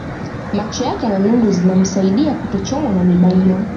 Macho yake yana nundu zinamsaidia kutochomwa na miiba hiyo